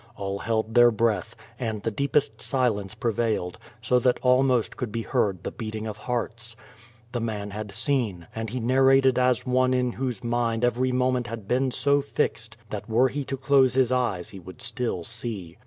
AH held their breath, and the deepest silence prevailed, so that almost could be heard the beating of hearts. The man had seen; and he narrated as one in whose mind every moment had been so fixed that were he to close his eyes he would still see.